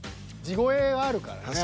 地声はあるからね。